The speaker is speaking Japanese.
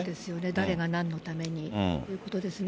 誰が、なんのためにということですね。